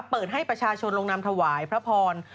เปิดให้ประชาชนลงนำถวายพระพร